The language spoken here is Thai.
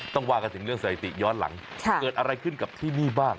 ว่ากันถึงเรื่องสถิติย้อนหลังเกิดอะไรขึ้นกับที่นี่บ้าง